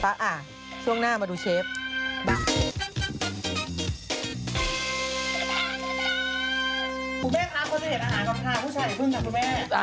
จากกระแสของละครกรุเปสันนิวาสนะฮะ